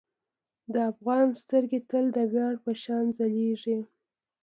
د افغان سترګې تل د ویاړ په شان ځلیږي.